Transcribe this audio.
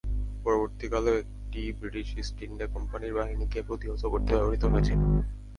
পরবর্তীকালে, এটি British East India কোম্পানির বাহিনীকে প্রতিহত করতে ব্যবহৃত হয়েছিল।